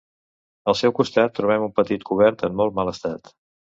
Al seu costat trobem un petit cobert en molt mal estat.